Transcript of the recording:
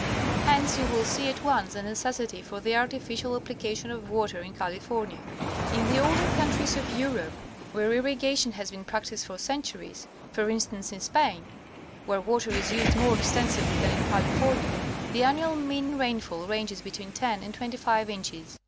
Hence, you will see at once, the necessity for the artificial application of water in California. In the older countries of Europe, where irrigation has been practiced for centuries, for instance, in Spain, where water is used more extensively than in California, the annual mean rainfall ranges between 10 and 25 inches.